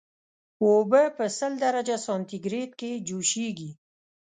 اوبه په سل درجه سانتي ګریډ کې جوشیږي